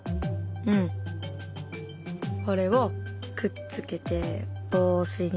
うんこれをくっつけて帽子に。